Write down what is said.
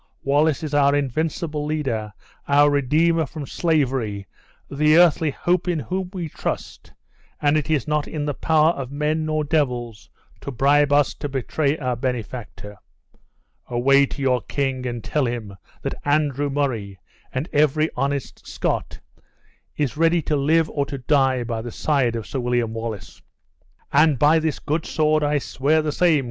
Wallace is our invincible leader, our redeemer from slavery, the earthly hope in whom we trust, and it is not in the power of men nor devils to bribe us to betray our benefactor. Away to your king and tell him that Andrew Murray, and every honest Scot, is ready to live or to die by the side of Sir William Wallace." "And by this good sword I swear the same!"